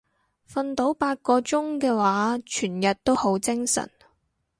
瞓到八個鐘嘅話全日都好精神